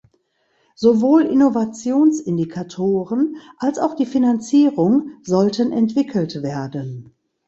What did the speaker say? Sowohl Innovationsindikatoren als auch die Finanzierung sollten entwickelt werden.